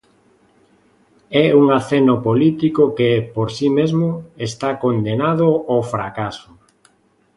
É un aceno político que, por si mesmo, está condenado ao fracaso.